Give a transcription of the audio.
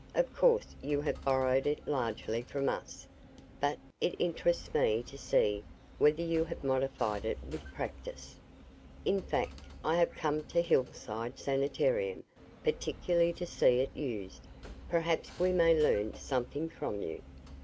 Of course you have borrowed it largely from us, but it interests me to see whether you have modified it with practice. In fact I have come to the Hillside Sanitarium particularly to see it used. Perhaps we may learn something from you."